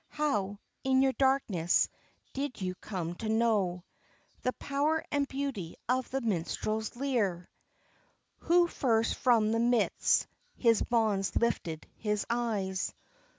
How, in your darkness, did you come to know The power and beauty of the minstrel's lyre? Who first from midst his bonds lifted his eyes?